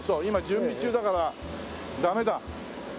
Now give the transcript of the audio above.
今準備中だからダメだ。